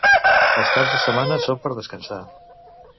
Els caps de setmana són per descansar.